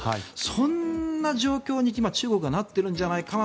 そんな状況に今中国がなっているんじゃないかな